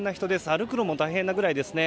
歩くのも大変なぐらいですね。